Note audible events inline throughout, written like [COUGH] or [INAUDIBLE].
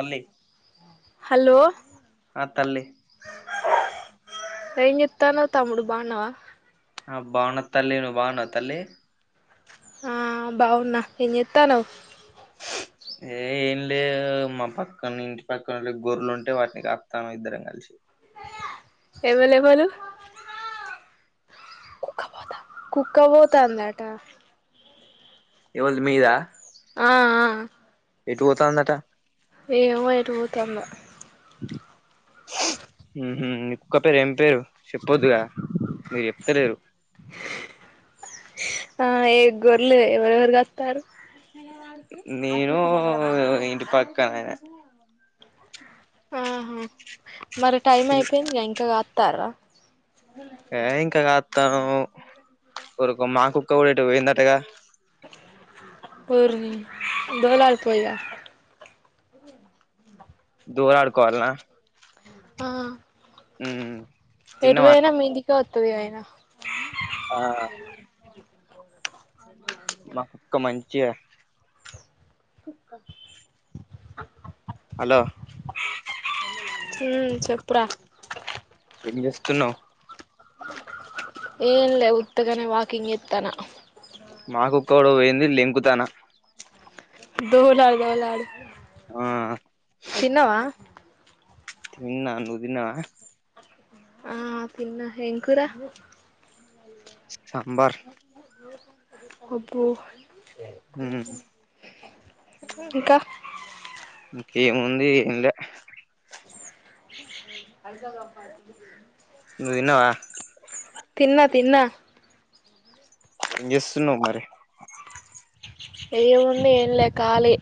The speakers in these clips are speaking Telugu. తల్లి హలో ఆ తల్లి ఏం జేత్తనావ్ తమ్ముడు బాగున్నావా ఆ బాగున్నా తల్లి నువ్వు బాగున్నావా తల్లి ఆ బాగున్నా ఏం జేత్తాన్నవ్ [INAUDIBLE] ఏ ఏం లేదు మా పక్కన ఇంటి పక్కనోల్లయి గొర్లు ఉంటే వాటిని కాత్తనం ఇద్దరం కలిసి ఎవలేవలు కుక్క పోత కుక్క పోతాంద ఎవల్ది మీదా ఆ ఆ ఎటు పోతాందట ఏమో ఎటు పోతందో ఉహు కుక్క పేరు ఏం పేరు చెప్పొద్దుగా మీరు చెప్తలేరు ఆ ఏ గోర్లే ఎవరెవరు కాస్తారు నేను ఇంటి పక్కయనే ఆహా మరి టైం అయిపోయిందిగా ఇంకా కాత్తర్ర ఏ ఇంకా కాత్తన్నాం ఓరక్కో మా కుక్క కూడా ఎటో పోయిందటగా ఓర్ని దేవులాడుపో ఇగ దేవులడుకోవాల్నా ఆ మ్ ఎటుపోయినా మీ ఇంటికే వస్తది గ ఆయిన ఆ మా కుక్క మంచిగా కుక్క హలో మ్ చెప్పురా ఏం చేస్తున్నావ్ ఎం లే ఉత్తగానే వాకింగ్ చేత్తనా మాకుక్క కూడా పోయింది లేంకుతాన దేవులాడు దేవులాడు ఆ తిన్నవా తిన్న నువ్ తిన్నవా ఆ తిన్నా ఏం కూరా సాంబార్ అబ్బో మ్మ్ ఇంకా ఇంకా ఏముంది ఏం లే అదకా అదికాద్ అబ్బాయి్ నువ్ తిన్నవా తిన్న తిన్న ఎం చెస్తున్నావ్ మరి ఏముంది ఎంలే కాలి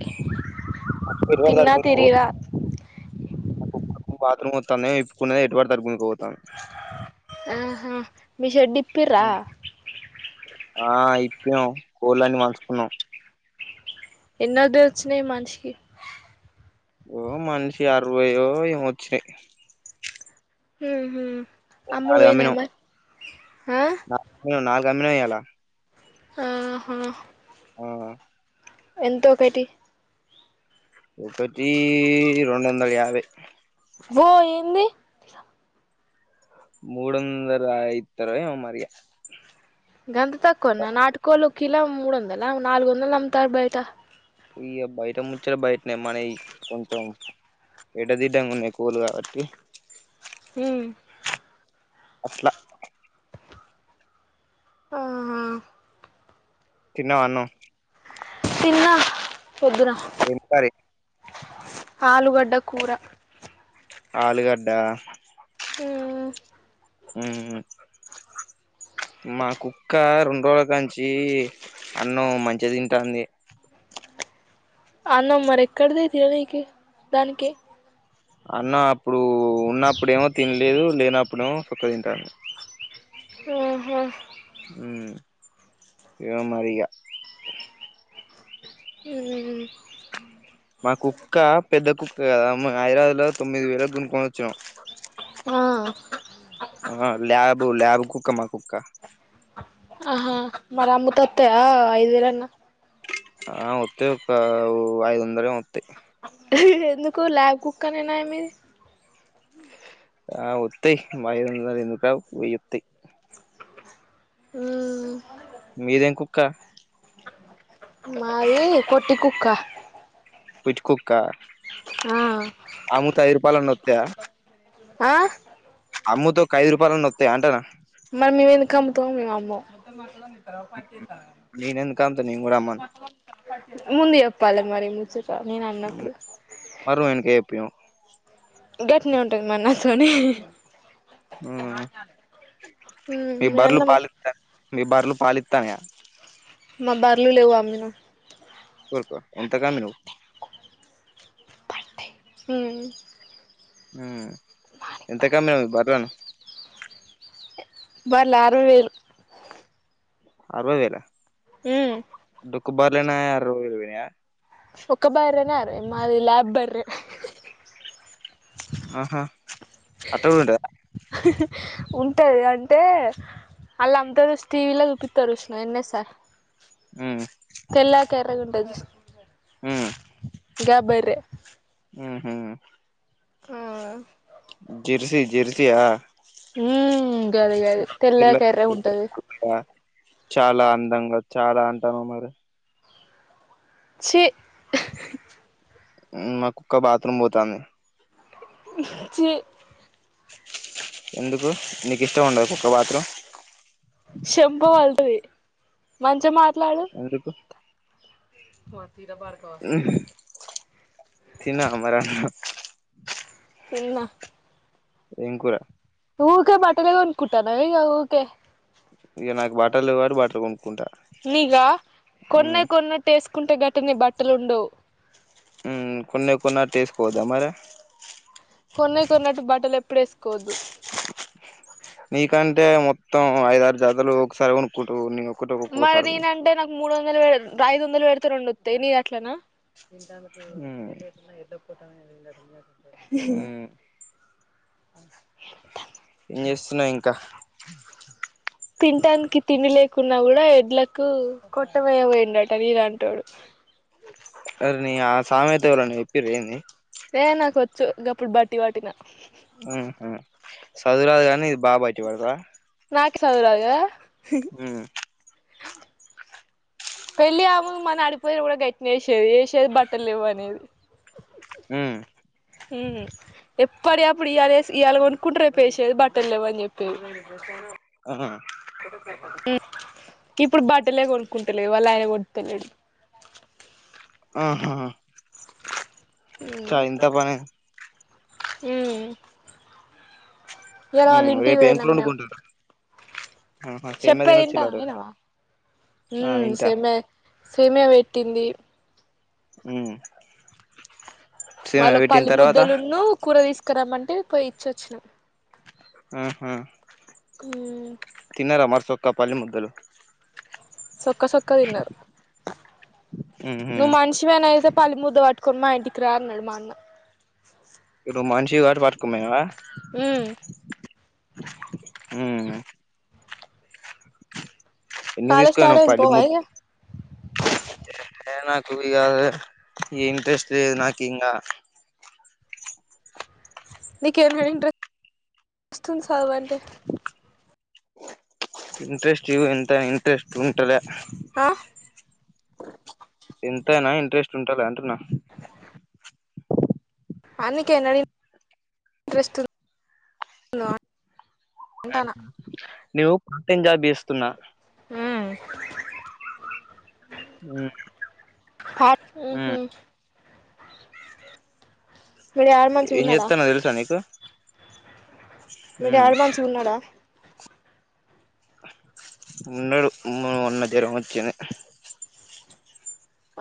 ఎటుపడితే తిన్న తిరిగిరా మా కుక్కకు బత్రూమ్ వతాంది ఏమో ఎప్పుకున్నది ఎటు పడుతే అటు గుంజుక పోతంది ఆహా మి షెడ్ ఇప్పిర్ర ఆ ఇప్పినం కోళ్లని మార్చుకున్నాం ఎన్నొడ్డు వచ్చినయి మనిషికి ఓ మనిషి అరవయో ఏమె వచ్చినయి మ్ హు నాలుగు అమ్ముడుపోయినయ అమ్మినాం మరి ఆ నాలుగు అమ్మినఇయ్యల ఆహా ఆ ఎంత ఒకటి ఒకటి రెండోందల యాభై ఓ ఏంది ముడొందల ఇత్తరో ఏమో మరిగ గంత తక్కువన నాటుకోళ్లు కిల మూడు వందల నాలుగు వందలు అమ్ముతాళ్లు బయట ఇగ బయట ముచ్చాట బయటనే మనయి కొంచెం ఎడ్డదిడ్డంగా ఉన్నాయి కోళ్లు కాబట్టి ఉమ్ అట్లా ఆ ఆ తిన్నావ అన్నం? తిన్నా, పొద్దున ఏం కర్రీ ఆలుగడ్డ కూర ఆలుగడ్డా? ఉమ్ ఉమ్ మాకుక్క రెండురోజుల కాంచి, అన్నం మంచిగా తింటాంది. అన్నం మరెక్కడిది తిననీకి దానికి అన్నం అప్పుడు ఉన్నప్పుడేమో తినలేదు, లేనప్పుడేమో సక్కగా తింటాంది. ఆహా ఉమ్ ఏమో మరి ఇక ఉమ్మ్ మా కుక్క పెద్దకుక్క కదా, హైదరాబాద్ లో తొమ్మిదివేలకి కొనుక్కోని వచ్చినం. ఆ అ ల్యాబు ల్యాబుకుక్క మా కుక్క ఆహా మరి అమ్మితే వత్తయా ఐదువేలన్న? ఆ వత్తయి ఒక ఐదువందలు ఏమో వత్తయి. ఎందుకు ల్యాబ్ కుక్కనేనా [UNINTELLIGIBLE] ఆ వత్తయి, ఐదొందలెందుకరావు వెయ్యొత్తయి. ఉమ్ మీదేం కుక్క? మాది పొట్టికుక్క పిచ్చికుక్కా, ఆ అమ్మితే ఐదు రూపాయలన్నా వత్తయ్యా? ఆ అమ్ముతే ఒక ఐదురూపాయలన్న వత్తయ్యా అంటున్నా. మరి మేము ఎందుకు అమ్ముతాం, మేము అమ్మం. నేనెందుకంత నేను కూడా అమ్మను ముందు చెప్పాలి మరీ ముచ్చట్ ట నేను అన్నప్పుడు మరుం ఎనక ఏపియ్యం గట్లనే ఉంటది మనతోని ఉమ్ మ్మ్ మీ బర్రెలు అన్నము పాలిస్తా, మీ బర్రెలు పాలిస్తాన్నయా? మా బర్లు లేవు, అమ్మిన కోరుకు ఎంతకమ్మినవు? ఉమ్మ్ ఉమ్ ఎంతకమ్మావు బర్లెను? బర్లా, అరవై వేలు అరవై వేలా? ఉమ్ డొక్కు బర్లేనా అరవైవేలు పోయినయా ఒక్క బర్రెనే అర్వై, మాది లాబ్ బర్రె అహా, అట్టకూడా ఉంటదా? ఉంటాయి అంటే అలా అంత స్ టీవీ లా దూపితారు విష్ణు న్నే సార్ ఆ తెల్లాకర గుంటదు ఉమ్ గాబరే ఉహు ఆ జెర్సీ జెర్సీ యా ఉ గది గది పిల్ల తెల్లకర్రె ఉంటది పిల్ల. చాలా అందంగ చాలా అంటామ మరి చి మా కుక్క బాత్రూమ్ పోతాంది చి ఎందుకు నీకు ఇష్టం ఉండద కుక్క బాత్రూమ్ షంప పగుల్తది మంచిగ మాట్లాడు ఎందుకు [UNINTELLIGIBLE] తిన్నార మరి అన్నం తిన్నా ఎంకుర ఊకే మాటనేగ ఉంద కుటా నవ ఈ ఊకే ఇగ నాకు బట్టలు [UNINTELLIGIBLE] బట్టలు కొనుక్కుంటా నీఘ కొన్న మ్మ్ కొన్న టేసుకుంటే గట్టిని బట్టలు ఉండవు కొన్ని కొన్నటే ఎసుకోవద్దా మరి కొన్న కొన్నట్టు బట్టలు ఎప్పుడు ఎసుకోవద్దు నీకంటే మొత్తం ఐదారు జతలు ఒకసారి కోన్ కుంటవు [UNINTELLIGIBLE] మరి నేనంటే నాకు మూడు వందలు ఐదు వందలు పెడితే రెండు వస్తాయి నీది అట్లన ఉ ఎద పోమ అడింట మ్మ్ ఏం చేస్తున్నావ్ ఇంకా తినానికి తిండి లేకున్నా కూడా ఎడ్లకు కొట్టవయ పోయిడట నీలంటోడు సరే నీ ఆ సామెయత ఎవళ చెప్పింరెంది ఏ నాకు వచ్చు గప్పుడు బట్టి వటిన చదువురాదు కానీ ఇది బట్టి పడతావ నాకి సదువు [UNINTELLIGIBLE] [UNINTELLIGIBLE] పెళ్ళి ఆము మన అడిపోయిన కూడా గట్టిన వేసేది వేసేది బట్టలు లేవు అనేది ఉ హు ఎప్పుడ అప్పుడు ఇయళ ఇయాల కొనుక్కుంటారే పేసేది బట్టలు లేవ అని చెప్పి ఆహ ఇప్పుడు బట్టలే కొనుక్కుంటలేదు వాళ్ళు ఆయన కొతలే [UNINTELLIGIBLE] ఆహా హు చా ఇంత పని వేరే వాళ్ళ మ్మ్ ఇంటికి రేపు ఏం పోయినం కూర మేము వండుకుంటారు ఆహా సేమ్యా చెప్పేద తినొచ్చిల్లాట కదా [UNINTELLIGIBLE] ఆ ఇంటా సమె సమేయా పెట్టింది హు వాళ్ళ పల్లి ముద్దలున్న కూర తీసుకురామంటే పోయి ఇచ్చి వచ్చిన ఆహా ఉ తిన్నరా మరి మనిషి ఒక్క పది ముద్దులు సొక్కా సొక్కా తిన్నారు ఉహు నువ్ మనిషి నువ్వు అయితే పల్లి ముద్ద పట్టుకుని మా ఇంటికి రా అన్నాడు మా అన్న ఇప్పుడు నువ్వు మనిషివి కాబట్టి పట్టుకొని పోయినవా ఉమ్ ఉ హు ఎన్ని కాలేజీ స్టార్ట్ తీసుకుపోయినవ్ అయింది పల్లి పోవాయిగా ఏ నాకు వీలు కాదు ఇంట్రెస్ట్ లేదు ఇంగా నీకేమైంది రా మొత్తం చదవట్లే ఇంట్రెస్ట్ ఉంటలే అంతా ఇంట్రెస్ట్ ఉంటలే ఆ ఎంతైనా ఇంట్రెస్ట్ ఉంటాలే అంటున్నా అందుకేనా నీకు ఇంట్రెస్ట్ ఉంది ఆ అంటానా న్యూ పార్ట్ టైం జాబ్ చేస్తున్న ఆ ఉ భట్ ఉ హు మీ డాడీ ఏం మంచిగున్నాడా చేతల్లో తెలుసా నీకు మీరు ఉమ్ డాడీ మంచి ఉన్నాడా ఉన్నాడు ఉన్న జ్వరం వచ్చింది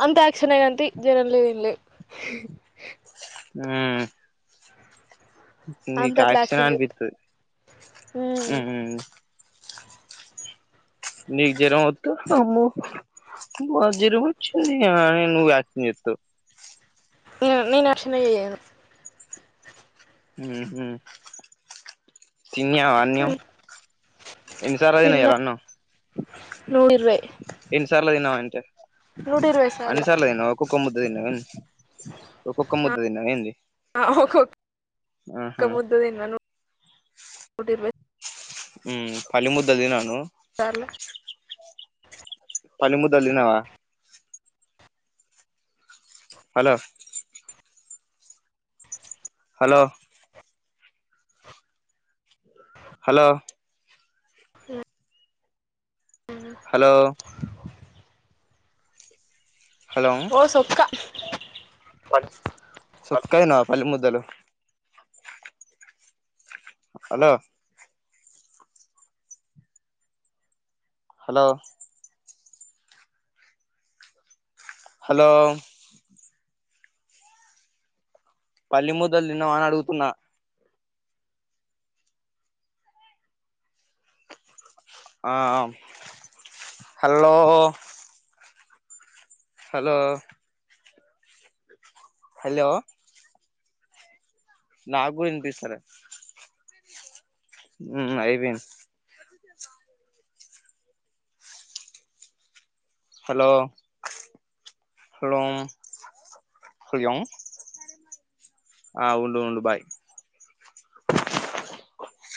అంత యాక్షన్ గని తి జ్వరం లేదు ఏం లేదు ఉ అంత నీకు అట్లా యాక్షనే యాక్షన్ చెత్త అనిపిస్తది ఉమ్ ఊ నీకు జ్వరం వస్తే అమ్మో అమ్మ జ్వరం వచ్చింది ఆ నువ్వు యాక్టింగ్ చేస్తావ్ నేను అన్ని యాక్షనే చెయ్య తిన్నావా అన్నం ఎన్ని సార్లు తిన్నా తిన్నావ్ అన్నం నూట ఇరవై ఎన్నిసార్లు తిన్నావా అంటే నూట ఇరవై అన్ని సార్ల సార్లు తినవా ఒక్కొక్క ముద్ద తిన్నావ ఆ హొ హొ ఒక్క ఆహా ముద్ద ఫుడ్డు తినను నూట ఇరవై ఉ పల్లి ముద్ద తినవా నువ్వు సర్లే పల్లి ముద్ద తిన్నావా హలో హలో హలో ఏ హలో హలో సొక్కా పాట్ సొక్క తిన్నావా పల్లి ముద్దలు హలో హలో హలో పల్లి ముద్దలు తిన్నావా అని అడుగుతున్నా. ఆ హల్లో హలో హలో నాక్కూడ ఇనిపిస్తలే మ్ అయిపోయింది హలో హలో హల ఆ ఉండు ఉండు బాయ్.